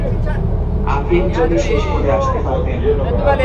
আফিফ যদি শেষ করে আসতে পারতেন!